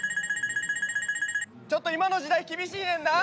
ちょっと今の時代厳しいねんな。